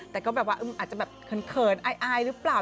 แต่ก็แบบว่าอาจจะแบบเขินอายหรือเปล่า